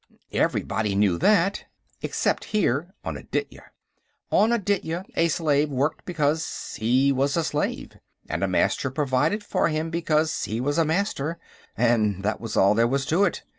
Everybody knew that except here on Aditya. On Aditya, a slave worked because he was a slave, and a Master provided for him because he was a Master, and that was all there was to it.